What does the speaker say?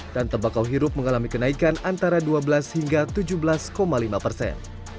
dan tembakau hirup mengalami kenaikan antara dua belas hingga tujuh belas lima persen